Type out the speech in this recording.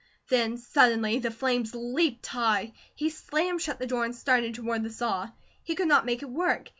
Then suddenly the flames leaped up. He slammed shut the door and started toward the saw. He could not make it work.